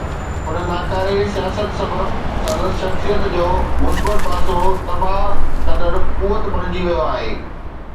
ان ناڪاري سياست سبب سندس شخصيت جو مثبت پاسو تباهه ڪندڙ قوت بڻجي ويو آهي.